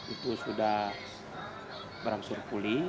itu sudah berangsur pulih